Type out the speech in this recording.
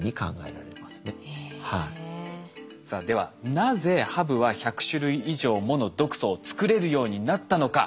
さあではなぜハブは１００種類以上もの毒素を作れるようになったのか。